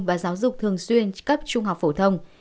và giáo dục thường xuyên cấp trung học phổ thông